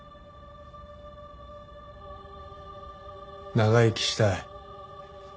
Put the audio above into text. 長生きしたい。